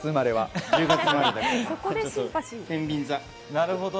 なるほど。